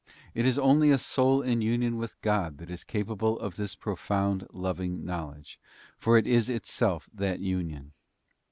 It is only a soul in union with God that is capable of this pro found loving knowledge, for it is itself that union.